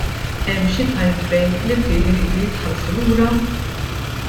Hemm xi time - frame li fih iridu jitħallsu lura?